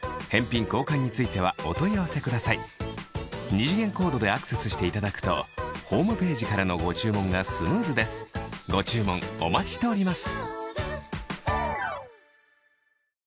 二次元コードでアクセスしていただくとホームページからのご注文がスムーズですご注文お待ちしております